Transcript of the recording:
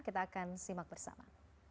kita akan simak bersama